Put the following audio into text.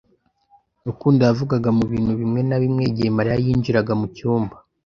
Rukundo yavugaga mu bintu bimwe na bimwe igihe Mariya yinjiraga mu cyumba.